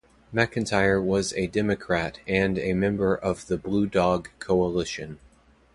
McIntyre was a Democrat and a member of the Blue Dog Coalition.